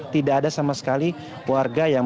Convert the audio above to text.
tidak ada sama sekali warga yang